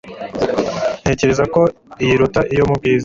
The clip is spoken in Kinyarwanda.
Ntekereza ko iyi iruta iyo mu bwiza